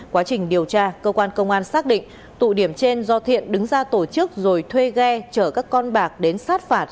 quá trình điều tra cơ quan công an xác định tụ điểm trên do thiện đứng ra tổ chức rồi thuê ghe chở các con bạc đến sát phạt